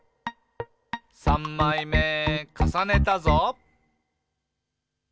「さんまいめかさねたぞ！」